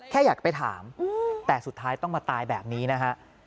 แค่อยากไปถามแต่สุดท้ายต้องมาตายแบบนี้นะฮะ